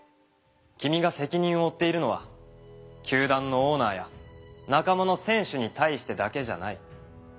君が責任を負っているのは球団のオーナーや仲間の選手に対してだけじゃない。